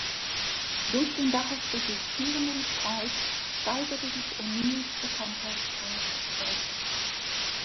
Durch den daraus resultierenden Streit steigerte sich O’Neills Bekanntheitsgrad weiter.